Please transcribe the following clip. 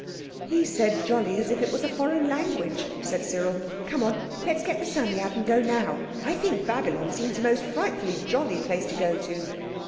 "He said 'jolly' as if it was a foreign language," said Cyril. "Come on, let's get the Psammead and go now. I think Babylon seems a most frightfully jolly place to go to."